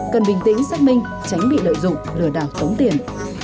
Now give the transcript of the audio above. cần bình tĩnh xác minh tránh bị lợi dụng lừa đảo tống tiền